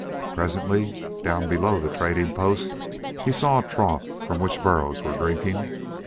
Presently down below the trading post he saw a trough from which burros were drinking.